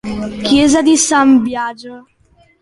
Chiesa di San Biagio